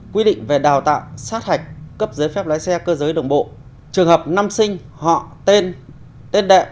quy định về đào tạo sát hạch cấp giấy phép lái xe cơ giới đường bộ trường hợp năm sinh họ tên đệ